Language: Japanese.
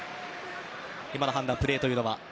今の判断、プレーというのは。